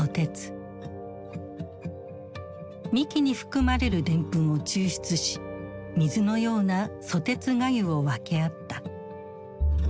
幹に含まれるでんぷんを抽出し水のようなソテツがゆを分け合った。